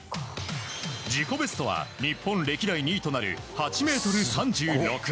自己ベストは日本歴代２位となる８ｍ３６。